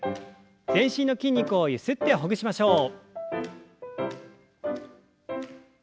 全身の筋肉をゆすってほぐしましょう。